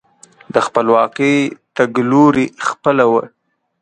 د خپلواکۍ تګلوري خپله وه.